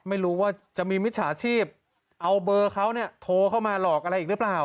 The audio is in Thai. ไม่รู้ว่าจะมีมิจฉาชีพเอาเบอร์เขาเนี่ยโทรเข้ามาหลอกอะไรอีกหรือเปล่า